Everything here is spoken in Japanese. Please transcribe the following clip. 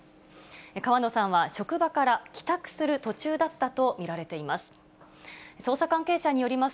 川野さんは、職場から帰宅する途中だったと見られています。